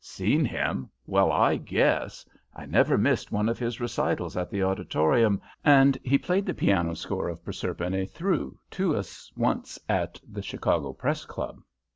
Seen him? Well, I guess! I never missed one of his recitals at the Auditorium, and he played the piano score of Proserpine through to us once at the Chicago Press Club.